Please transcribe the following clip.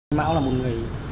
anh mão là một người